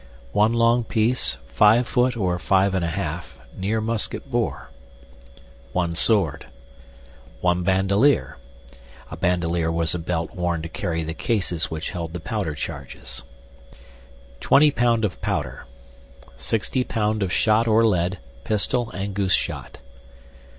One long Peece, five foot or five and a halfe, neere Musket bore. One sword. One bandaleere [a bandoleer was a belt worn to carry the cases which held the powder charges]. Twenty pound of powder. Sixty pound of shot or lead, Pistoll and Goose shot."